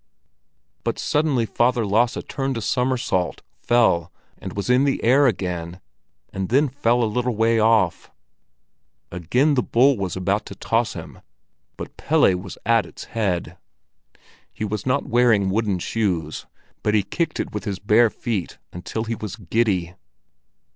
But suddenly Father Lasse turned a somersault, fell, and was in the air again, and then fell a little way off. Again the bull was about to toss him, but Pelle was at its head. He was not wearing wooden shoes, but he kicked it with his bare feet until he was giddy.